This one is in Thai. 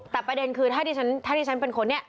แต่ประเด็นคือถ้าที่ฉันเป็นคนนี้